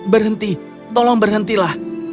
berhenti tolong berhentilah